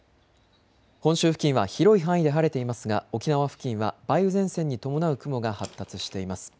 本州付近は広い範囲で晴れていますが沖縄付近は梅雨前線に伴う雲が発達しています。